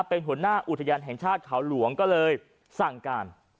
เป็นหัวหน้าอุทยานแห่งชาติเขาหลวงก็เลยสั่งการ